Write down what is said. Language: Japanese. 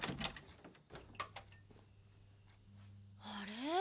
あれ？